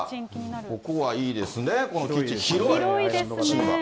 ここはいいですね、このキッチン、広いキッチンが。